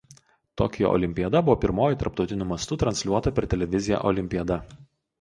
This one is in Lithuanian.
Tokijo olimpiada buvo pirmoji tarptautiniu mastu transliuota per televiziją olimpiada.